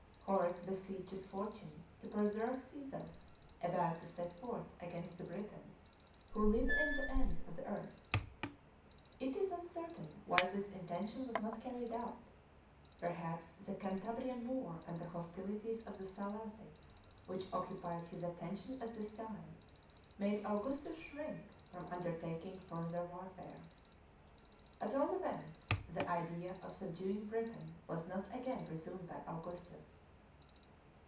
Horace beseeches Fortune to preserve Caesar, about to set forth against the Britons who live in the ends of the earth.J It is uncertain why this intention was not carried out ; perhaps the Cantabiian war and the hostilities of the Saiassi, which occupied his attention at this time, made Augustus shrink from undertaking further waifare. At all events, the idea of subduing Britain was not again resumed by Augustus.